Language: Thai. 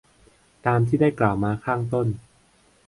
ตามที่ได้กล่าวมาข้างต้น